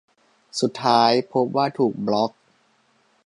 สุดท้ายพบว่าถูกบล็อค